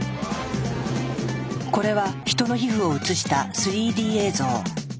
これはヒトの皮膚を映した３Ｄ映像。